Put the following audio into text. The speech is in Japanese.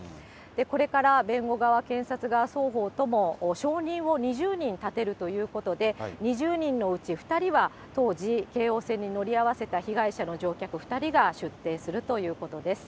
これから弁護側、検察側双方とも証人を２０人立てるということで、２０人のうち２人は、当時、京王線に乗り合わせた被害者の乗客２人が出廷するということです。